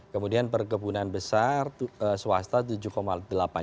kemudian perkebunan besar swasta tujuh dua juta